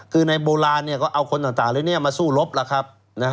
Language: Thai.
คือในโบราณก็เอาคนต่างมาสู้รบล่ะครับ